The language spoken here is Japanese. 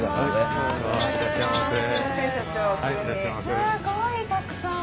すごいたくさん！